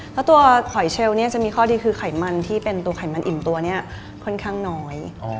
แล้วตัวหอยเชลลเนี่ยจะมีข้อดีคือไขมันที่เป็นตัวไขมันอิ่มตัวนี้ค่อนข้างน้อย